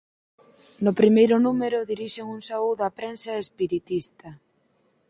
No primeiro número dirixen un saúdo á prensa espiritista.